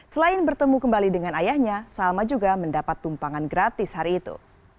selain bertemu kembali dengan ayahnya salma juga mendapat tumpangan gratis hari itu